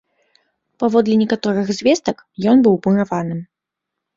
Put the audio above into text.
Паводле некаторых звестак, ён быў мураваным.